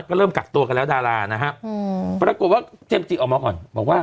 ก็เริ่มกักตัวกันแล้วดารานะฮะอืมปรากฏว่าเจมส์จิออกมาก่อนบอกว่า